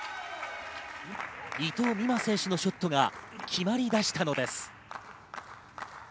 伊藤美誠選手のショットが決まりだしたのです。